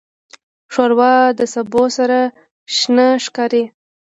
ښوروا د سبو سره شنه ښکاري.